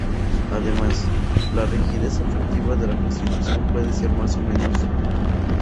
Además, la rigidez efectiva de la constitución puede ser más o menos formal.